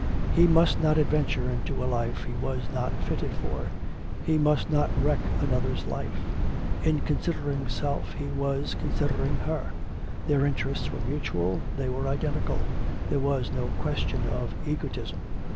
He must not adventure into a life he was not fitted for; he must not wreck another's life; in considering himself he was considering her; their interests were mutual, they were identical; there was no question of egotism.